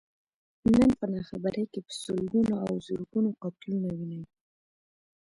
نن په ناخبرۍ کې په سلګونو او زرګونو قتلونه ويني.